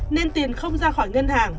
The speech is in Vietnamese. nên tiền không ra khỏi ngân hàng